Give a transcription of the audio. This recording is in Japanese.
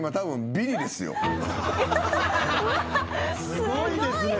すごいですね